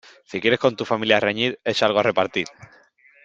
Si quieres con tu familia reñir, echa algo a repartir.